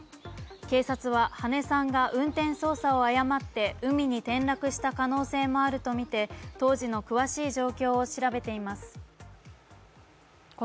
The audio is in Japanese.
警察は、羽根さんが運転操作を誤って海に転落した可能性もあるとみて、当時の詳しい状況を調べています。